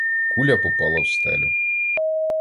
Куля попала в стелю.